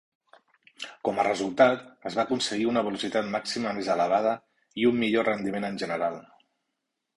Com a resultat, es va aconseguir una velocitat màxima més elevada i un millor rendiment en general.